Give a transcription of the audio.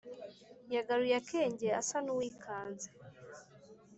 yagaruye akenge asa n’uwikanze